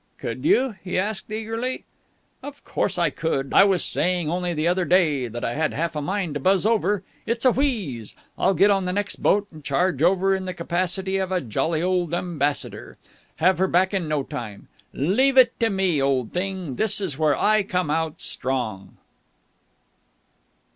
"Could you?" he asked eagerly. "Of course I could. I was saying only the other day that I had half a mind to buzz over. It's a wheeze! I'll get on the next boat and charge over in the capacity of a jolly old ambassador. Have her back in no time. Leave it to me, old thing! This is where I come out strong!"